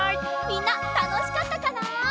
みんなたのしかったかな？